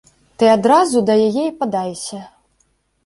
Ты адразу да яе і падайся.